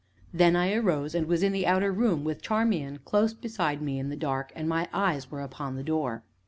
Then I arose, and was in the outer room, with Charmian close beside me in the dark, and my eyes were upon the door.